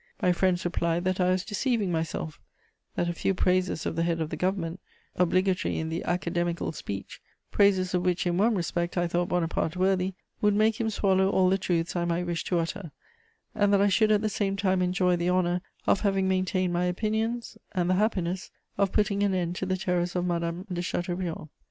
My friends replied that I was deceiving myself; that a few praises of the head of the Government, obligatory in the academical speech, praises of which, in one respect, I thought Bonaparte worthy, would make him swallow all the truths I might wish to utter; and that I should at the same time enjoy the honour of having maintained my opinions and the happiness of putting an end to the terrors of Madame de Chateaubriand.